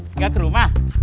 tinggal ke rumah